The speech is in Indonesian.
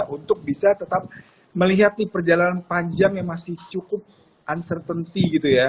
untuk bisa tetap melihat perjalanan panjang yang masih cukup uncertainty gitu ya